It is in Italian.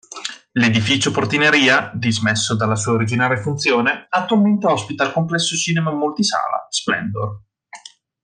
L'edificio-portineria, dismesso dalla sua originaria funzione, attualmente ospita il complesso cinema multisala "Splendor".